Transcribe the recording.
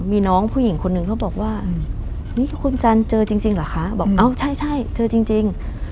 มีน้องผู้หญิงคนหนึ่งเขาบอกว่าอืมนี่คุณจันเจอจริงจริงหรอคะบอกเอาใช่ใช่เจอจริงจริง